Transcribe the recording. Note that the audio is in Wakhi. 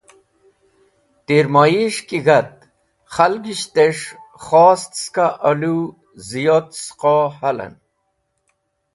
Tirmo’es̃h ki g̃hat, khalgishtes̃h khost skẽ olũw ziyot sũqo halen.